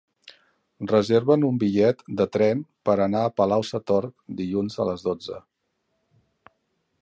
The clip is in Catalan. Reserva'm un bitllet de tren per anar a Palau-sator dilluns a les dotze.